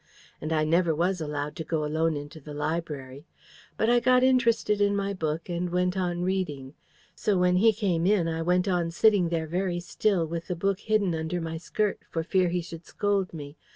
And I never was allowed to go alone into the library. But I got interested in my book, and went on reading. So when he came in, I went on sitting there very still, with the book hidden under my skirt, for fear he should scold me.